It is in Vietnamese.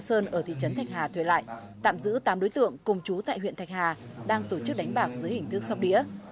sơn ở thị trấn thạch hà thuê lại tạm giữ tám đối tượng cùng chú tại huyện thạch hà đang tổ chức đánh bạc dưới hình thức sóc đĩa